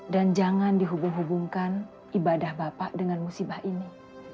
dan jangan dihubung hubungkan ibadah bapak dengan musibah ini